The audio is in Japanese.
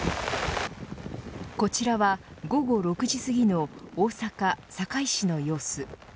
こちらは午後６時すぎの大阪、堺市の様子。